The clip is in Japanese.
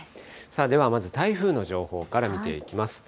ではまず、台風の情報から見ていきます。